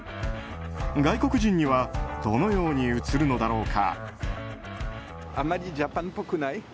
外国人にはどのように映るのだろうか。